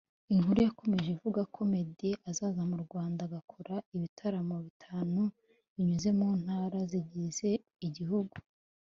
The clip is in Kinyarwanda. Inkuru yakomeza ivuga ko Meddy azaza mu Rwanda agakora ibitaramo bitanu binyuze mu ntara zigize igihugu